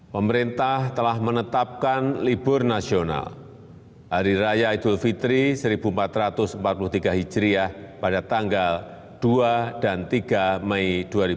pemerintah telah menetapkan libur nasional hari raya idul fitri seribu empat ratus empat puluh tiga hijriah pada tanggal dua dan tiga mei dua ribu dua puluh